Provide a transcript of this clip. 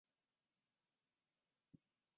团结是澳大利亚的一个托洛茨基主义组织。